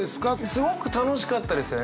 すごく楽しかったですよね。